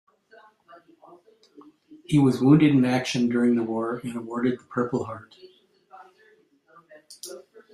He was wounded in action during the war and awarded the Purple Heart.